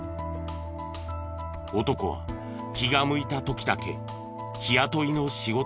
男は気が向いた時だけ日雇いの仕事に行っていた。